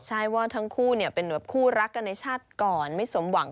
ใช่ว่าทั้งคู่เป็นแบบคู่รักกันในชาติก่อนไม่สมหวัง